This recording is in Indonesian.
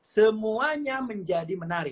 semuanya menjadi menara